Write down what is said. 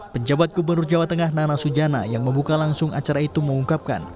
penjabat gubernur jawa tengah nana sujana yang membuka langsung acara itu mengungkapkan